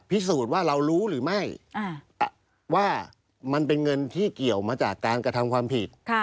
พิสูจน์ว่าเรารู้หรือไม่ว่ามันเป็นเงินที่เกี่ยวมาจากการกระทำความผิด